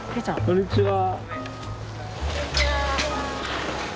こんにちは。